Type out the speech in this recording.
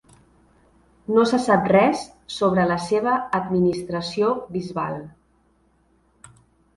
No se sap res sobre la seva administració bisbal.